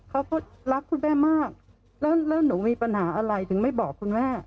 เขาก็รักคุณแม่มากแล้วหนูมีปัญหาอะไรถึงไม่บอกคุณแม่